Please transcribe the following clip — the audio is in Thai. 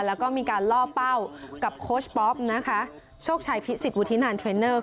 แล้วก็มีการล่อเป้ากับโค้ชป๊อปนะคะโชคชัยพิสิทวุฒินันเทรนเนอร์